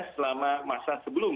selama masa sebelum